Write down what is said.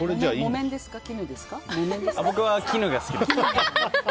僕は絹が好きです。